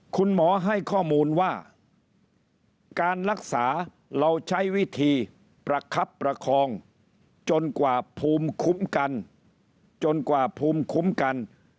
คุณหมอให้ข้อมูลว่าการรักษาเราใช้วิธีประคับประคองจนกว่าภูมิคุ้มกัน